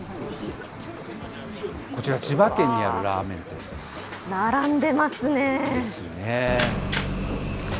こちら、千葉県にあるラーメン店です。ですね。